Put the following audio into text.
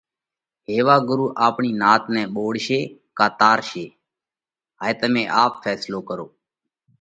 هيوا ڳرُو آپڻِي نات نئہ ٻوڙشي ڪا تارشي؟ هائي تمي آپ ڦينصلو ڪرو۔